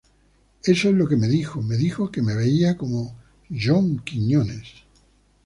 Eso es lo que me dijo, me dijo que me veía como John Quiñones.